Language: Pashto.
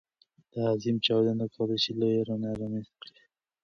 دا عظيم چاودنه کولی شي لویه رڼا رامنځته کړي.